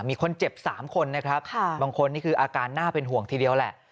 มีคนเจ็บ๓คนนะครับบางคนนี่คืออาการน่าเป็นห่วงทีเดียวแหละ